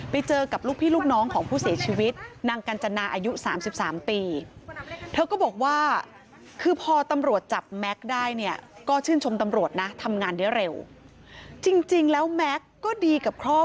ไปเจอกับลูกพี่ลูกน้องของผู้เสียชีวิตนางกัญจนาอายุ๓๓ปี